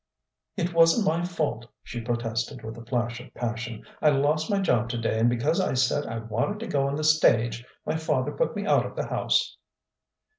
"It wasn't my fault," she protested with a flash of passion. "I lost my job today, and because I said I wanted to go on the stage, my father put me out of the house."